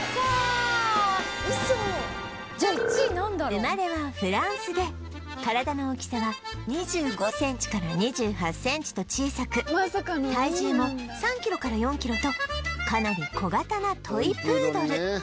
生まれはフランスで体の大きさは２５センチから２８センチと小さく体重も３キロから４キロとかなり小型なトイ・プードル